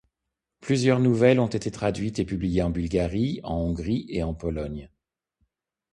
Plusieurs nouvelles ont été traduites et publiées en Bulgarie, en Hongrie et en Pologne.